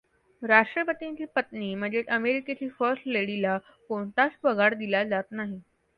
राष्ट्रपतींची पत्नी म्हणजेच, अमेरिकेची फर्स्ट लेडीला कोणताच पगार दिला जात नाही.